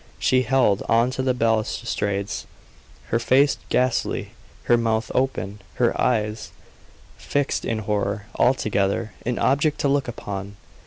She held on to the balustrades, her face ghastly, her mouth open, her eyes fixed in horror altogether an object to look upon.